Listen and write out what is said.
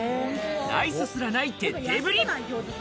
ライスすらない徹底ぶり。